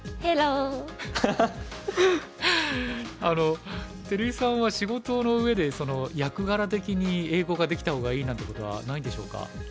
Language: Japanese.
あの照井さんは仕事の上で役柄的に英語ができた方がいいなんてことはないんでしょうか？